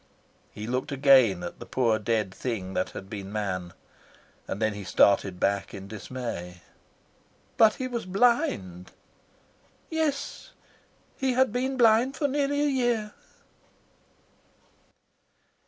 He looked again at the poor dead thing that had been man, and then he started back in dismay. "But he was blind." "Yes; he had been blind for nearly a year."